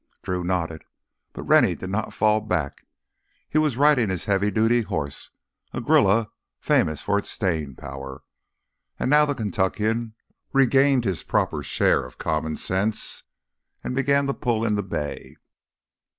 Drew nodded. But Rennie did not fall back. He was riding his heavy duty horse, a grulla famous for its staying power. And now the Kentuckian regained his proper share of common sense and began to pull in the bay.